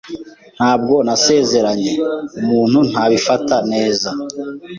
Ntabwo nasezeranye umuntu ntabifata neza.